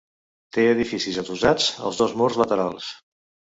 Té edificis adossats als dos murs laterals.